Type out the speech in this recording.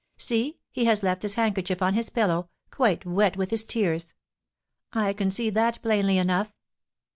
See, he has left his handkerchief on his pillow, quite wet with his tears! I can see that plainly enough."